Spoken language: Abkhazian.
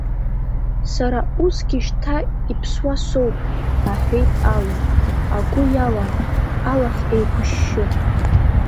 Сара усгьы шьҭа иԥсуа соуп, – аҳәеит Алым, агәы иалан, алахь еиқәышьшьы.